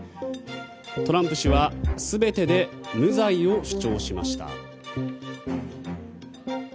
トランプ氏は全てで無罪を主張しました。